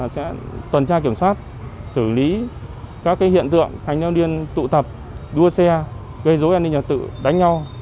sẽ tuần tra kiểm soát xử lý các hiện tượng thanh thiếu niên tụ tập đua xe gây rối an ninh trật tự đánh nhau